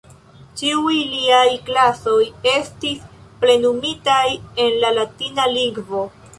Ĉiuj liaj klasoj estis plenumitaj en la latina lingvo.